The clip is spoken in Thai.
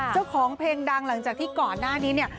เจ้าของเพลงดังหลังจากที่ก่อนหน้านี้เนี่ย